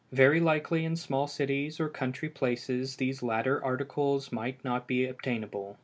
Very likely in small cities or country places these latter articles may not be obtainable.